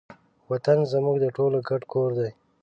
وطن زموږ د ټولو ګډ کور دی.